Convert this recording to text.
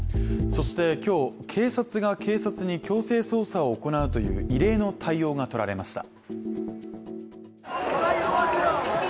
そして今日、警察が警察に強制捜査を行うという異例の対応がとられました。